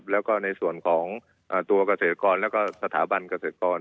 แล้วก็ในส่วนของตัวเกษตรกรแล้วก็สถาบันเกษตรกร